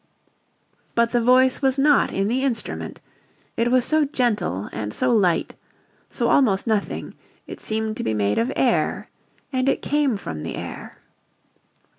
But the voice was not in the instrument it was so gentle and so light, so almost nothing, it seemed to be made of air and it came from the air.